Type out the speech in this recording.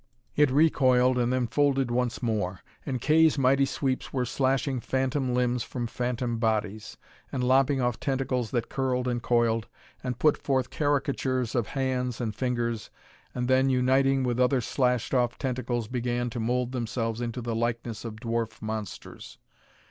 It recoiled and then folded once more, and Kay's mighty sweeps were slashing phantom limbs from phantom bodies; and lopping off tentacles that curled and coiled, and put forth caricatures of hands and fingers, and then, uniting with other slashed off tentacles, began to mould themselves into the likeness of dwarf monsters.